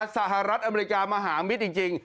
สหรัฐอเมริกามหามิตรจริง